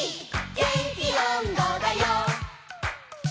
「げんきおんどだよ」